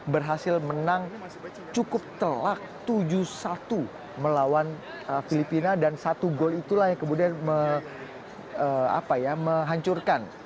berhasil menang cukup telak tujuh satu melawan filipina dan satu gol itulah yang kemudian menghancurkan